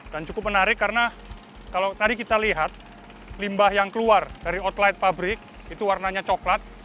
dan cukup menarik karena kalau tadi kita lihat limbah yang keluar dari outlet pabrik itu warnanya coklat